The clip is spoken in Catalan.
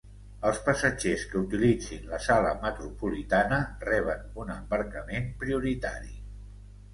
Els passatgers que utilitzin la sala metropolitana reben un embarcament prioritari.